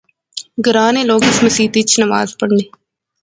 گراں نے لوک اس مسیتی اچ نماز پڑھنے